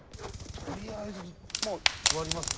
とりあえず座りますか。